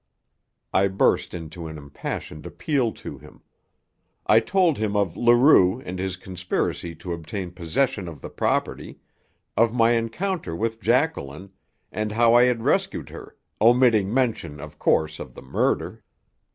I burst into an impassioned appeal to him. I told him of Leroux and his conspiracy to obtain possession of the property, of my encounter with Jacqueline, and how I had rescued her, omitting mention of course of the murder.